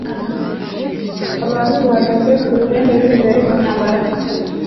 Abantu bahagaze ku ruhembe rwimbere mu ntambara